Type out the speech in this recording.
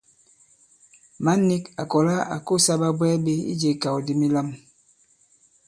Mǎn nīk à kɔ̀la à kosā ɓabwɛɛ ɓē ijē ikàw di milām.